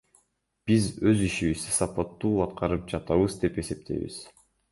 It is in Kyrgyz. Биз өз ишибизди сапаттуу аткарып жатабыз деп эсептейбиз.